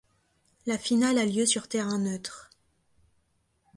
La finale a lieu sur terrain neutre.